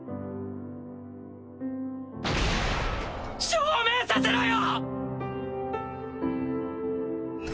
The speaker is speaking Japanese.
証明させろよ！